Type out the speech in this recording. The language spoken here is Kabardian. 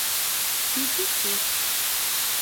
Иджы-щэ?